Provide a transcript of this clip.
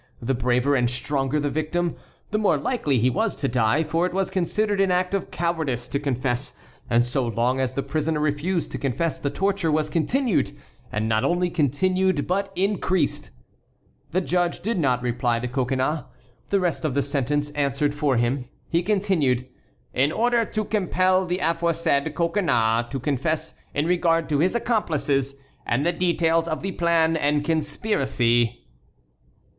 The braver and stronger the victim, the more likely he was to die, for it was considered an act of cowardice to confess; and so long as the prisoner refused to confess the torture was continued, and not only continued, but increased. The judge did not reply to Coconnas; the rest of the sentence answered for him. He continued: "In order to compel the aforesaid Coconnas to confess in regard to his accomplices, and the details of the plan and conspiracy."